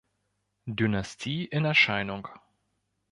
Dynastie in Erscheinung.